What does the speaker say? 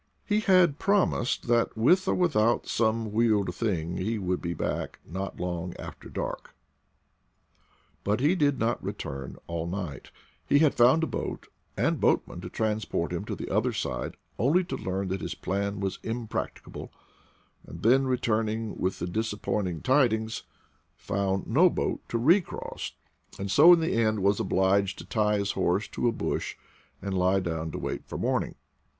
He had promised that, with or without some wheeled thing, he would be back not long after dark. But he did not return all night; he had found a boat and boatman to transport him to the other side only to learn that his plan was impracticable, and then returning with the disap pointing tidings, found no boat to recross, and 24 IDLE DAYS IN PATAGONIA so in the end was obliged to tie his horse to a bush and lie down to wait for morning.